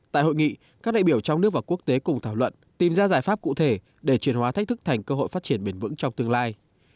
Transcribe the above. tại hội nghị các đại biểu trong nước và quốc tế cùng thảo luận tìm ra giải pháp cụ thể để truyền hóa thách thức thành cơ hội phát triển bền vững trong tương lai